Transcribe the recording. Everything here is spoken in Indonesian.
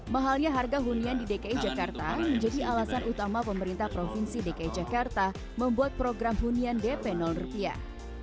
mahalnya harga hunian di dki jakarta menjadi alasan utama pemerintah provinsi dki jakarta membuat program hunian dp rupiah